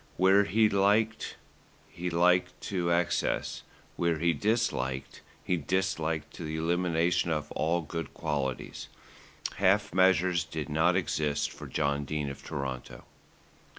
Where he liked, he liked to excess; where he disliked, he disliked to the elimination of all good qualities. Half measures did not exist for John Dene of Toronto.